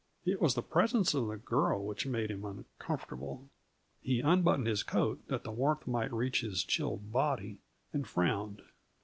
It was the presence of the girl which made him uncomfortable. He unbuttoned his coat that the warmth might reach his chilled body, and frowned.